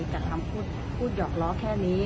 แต่คำพูดหยอกล้อแค่นี้